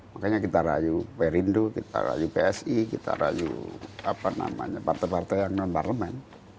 makanya kita rayu prindu kita rayu psi kita rayu partai partai yang non parlemen